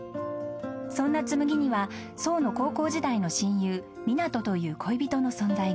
［そんな紬には想の高校時代の親友湊斗という恋人の存在が］